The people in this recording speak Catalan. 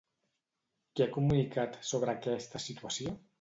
Què ha comunicat sobre aquesta situació?